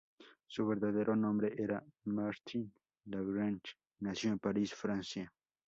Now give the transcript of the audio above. Su verdadero nombre era Marthe Lagrange, y nació en París, Francia.